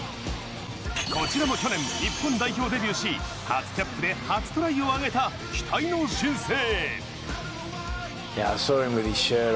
こちらも去年日本代表デビューし、初キャップで初トライを挙げた期待の新星。